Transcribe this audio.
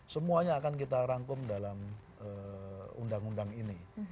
semuanya akan kita rangkum dalam undang undang ini